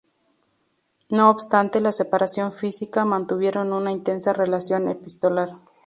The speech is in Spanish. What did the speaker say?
No obstante la separación física, mantuvieron una intensa relación epistolar.